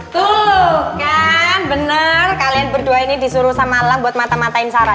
tuh kan bener kalian berdua ini disuruh sama lang buat mata matain sarah